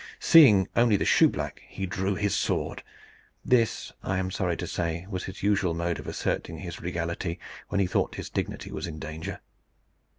Seeing only the shoeblack, he drew his sword. This, I am sorry to say, was his usual mode of asserting his regality, when he thought his dignity was in danger.